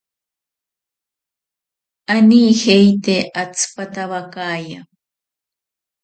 Anijeite atsipatabakaya.